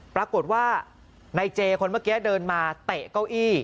ปรากฏว่าในเจคนเมื่อกี้เดินมาเตะเก้าอี้